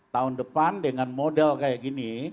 tahun depan dengan model kayak gini